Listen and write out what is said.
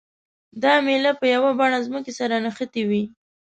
دا میله په یوه بڼه ځمکې سره نښتې وي.